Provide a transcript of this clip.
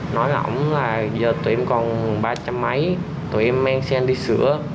nói là ổng là giờ tụi em còn ba trăm linh mấy tụi em mang xe anh đi sửa